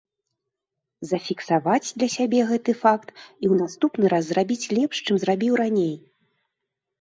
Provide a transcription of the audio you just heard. Зафіксаваць для сябе гэты факт і ў наступны раз зрабіць лепш, чым зрабіў раней.